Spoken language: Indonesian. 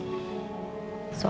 jadi kangen sama ibu